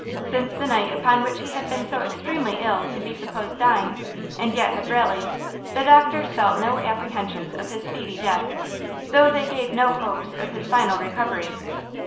Since the night upon which he had been so extremely ill to be supposed dying, and yet had rallied, the doctors felt no apprehensions of his speedy death, though they gave no hopes of his final recovery.